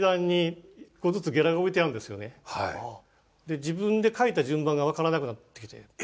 で自分で書いた順番がわからなくなってきて。